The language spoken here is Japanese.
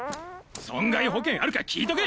損害保険あるか聞いとけ！